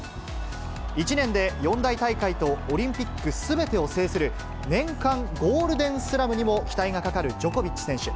１年で四大大会とオリンピックすべてを制する年間ゴールデンスラムにも期待がかかるジョコビッチ選手。